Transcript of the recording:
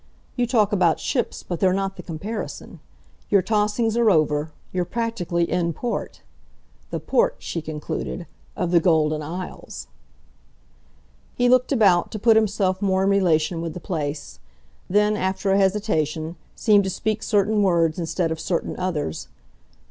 You talk about ships, but they're not the comparison. Your tossings are over you're practically IN port. The port," she concluded, "of the Golden Isles." He looked about, to put himself more in relation with the place; then, after an hesitation, seemed to speak certain words instead of certain others.